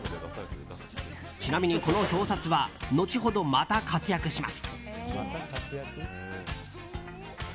ちなみにこの表札は後ほどまた活躍します。